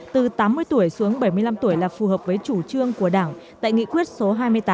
từ tám mươi tuổi xuống bảy mươi năm tuổi là phù hợp với chủ trương của đảng tại nghị quyết số hai mươi tám